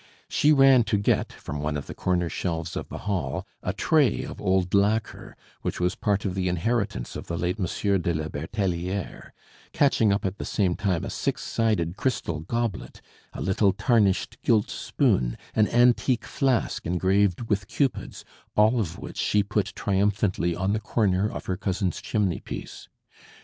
She ran to get, from one of the corner shelves of the hall, a tray of old lacquer which was part of the inheritance of the late Monsieur de la Bertelliere, catching up at the same time a six sided crystal goblet, a little tarnished gilt spoon, an antique flask engraved with cupids, all of which she put triumphantly on the corner of her cousin's chimney piece.